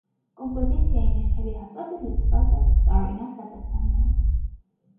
Կոմպոզիցիայի ներքևի հատվածը լցված է տարօրինակ դատաստաններով։